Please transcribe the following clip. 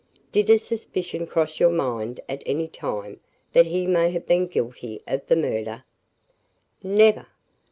"Did a suspicion cross your mind at any time that he may have been guilty of the murder?" "Never.